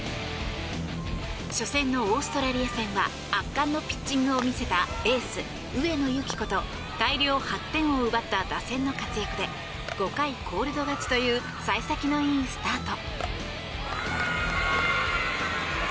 初戦のオーストラリア戦は圧巻のピッチングを見せたエース、上野由岐子と大量８点を奪った打線の活躍で５回コールド勝ちという幸先のいいスタート。